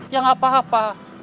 ya gak apa apa